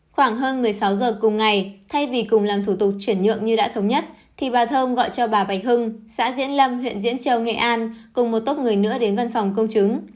khoảng hơn một mươi sáu giờ cùng ngày thay vì cùng làm thủ tục chuyển nhượng như đã thống nhất thì bà thơm gọi cho bà bạch hưng xã diễn lâm huyện diễn châu nghệ an cùng một tốp người nữa đến văn phòng công chứng